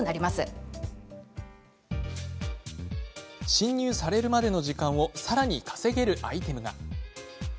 侵入されるまでの時間をさらに稼げるアイテムが。